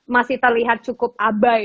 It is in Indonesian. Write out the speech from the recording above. masih terlihat cukup abai